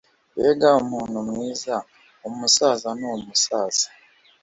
Mbega umuntu mwiza umusaza n’umusaza